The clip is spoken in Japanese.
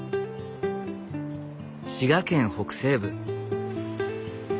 滋賀県北西部。